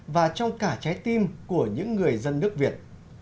và trong cả trái tim của những người dân nước việt